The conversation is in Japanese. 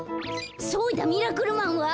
そうだミラクルマンは？